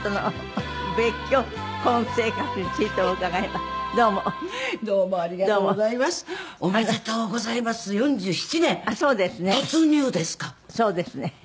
あっそうですね。